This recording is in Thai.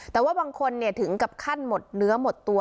แต่ว่าบางคนถึงกับขั้นหมดเนื้อหมดตัว